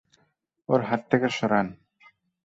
ওর থেকে হাত সরান।